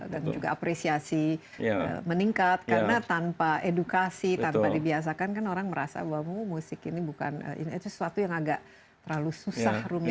dan juga apresiasi meningkat karena tanpa edukasi tanpa dibiasakan kan orang merasa bahwa musik ini bukan itu sesuatu yang agak terlalu susah rumit